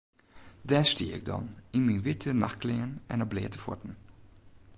Dêr stie ik dan yn myn wite nachtklean en op bleate fuotten.